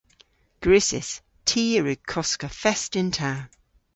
Gwrussys. Ty a wrug koska fest yn ta.